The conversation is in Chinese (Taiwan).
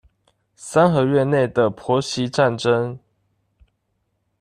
三合院內的婆媳戰爭